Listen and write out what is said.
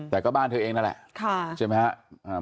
แต่ก็บ้านเธอเองนั่นแหละใช่ไหมครับ